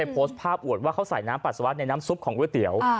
โพสต์ภาพอวดว่าเขาใส่น้ำปัสสาวะในน้ำซุปของก๋วยเตี๋ยว